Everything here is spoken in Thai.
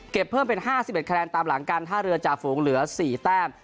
เก็บเพิ่มเป็นห้าสิบเป็นคะแนนตามหลังกันท่าเรือจาฝูงเหลือสี่แต้ม